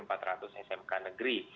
empat ratus smk negeri